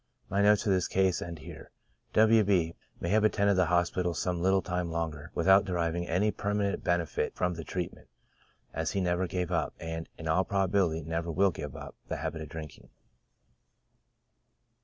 My notes of this case end here j W. B — may have at tended the hospital some little time longer, without deriving any permanent benefit from the treatment ; as he never gave up, and, in all probability, never will give up, the habit of drinking.